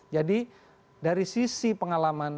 jadi dari sisi pengalaman